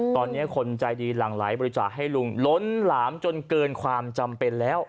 ตอนนี้คนใจดีหลั่งไหลบริจาคให้ลุงล้นหลามจนเกินความจำเป็นแล้ว